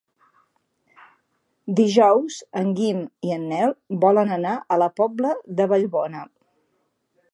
Dijous en Guim i en Nel volen anar a la Pobla de Vallbona.